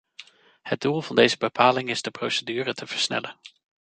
Het doel van deze bepaling is de procedure te versnellen.